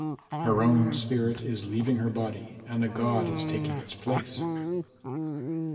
Her own spirit is leaving her body and a god is taking its place.